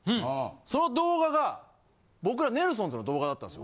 その動画が僕らネルソンズの動画だったんです。